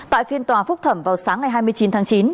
tại phiên tòa phúc thẩm vào sáng ngày hai mươi chín tháng chín